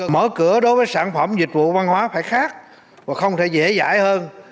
mở cửa đối với sản phẩm dịch vụ văn hóa phải khác và không thể dễ dãi hơn